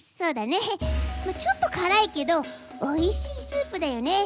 ちょっとからいけどおいしいスープだよね。